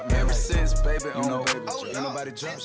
kalau sekarang tiga ratus ribu mungkin sekali doang